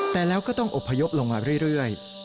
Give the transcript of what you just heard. แต่แล้วก็ต้องอบพยพลงมาเรื่อย